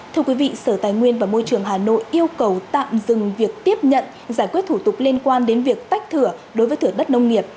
thưa quý vị sở tài nguyên và môi trường hà nội yêu cầu tạm dừng việc tiếp nhận giải quyết thủ tục liên quan đến việc tách thửa đối với thửa đất nông nghiệp